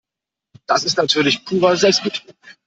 Das ist natürlich purer Selbstbetrug.